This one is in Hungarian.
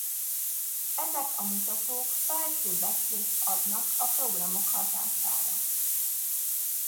Ezek a mutatók felső becslést adnak a programok hatására.